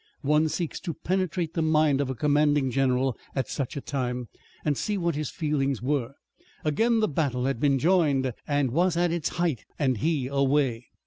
One seeks to penetrate the mind of a commanding general at such a time, and see what his feelings were. Again the battle had been joined, and was at its height, and he away!